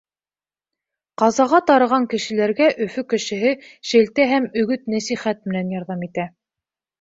Ҡазаға тарыған кешеләргә Өфө кешеһе шелтә һәм өгөт-нәсихәт менән ярҙам итә.